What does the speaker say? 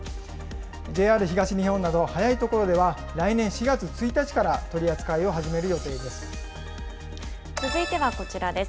ＪＲ東日本など早いところでは、来年４月１日から取り扱いを始め続いてはこちらです。